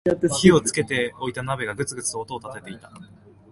火をつけておいた鍋がグツグツと音を立てていた